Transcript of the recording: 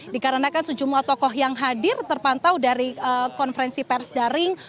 dikarenakan sejumlah tokoh yang hadir terpantau dari konferensi pers daring